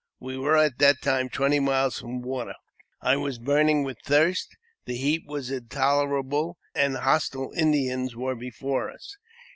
We were at that time twenty miles from water ; I was burning with thirst, the heat was intolerable, and hostile Indians were before us.